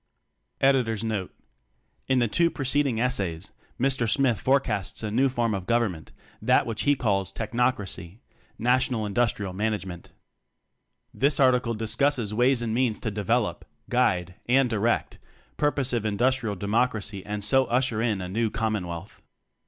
By William Henry Smyth NOTE: In the two preceding essays Mr. Smyth forecasts a new form of government that he calls "Technocracy" National Industrial Man agement. This article discusses ways and means to develop, guide and di rect purposive industrial democracy and so usher in a new commonwealth.